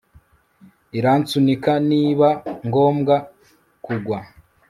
iransunika niba ngomba kugwa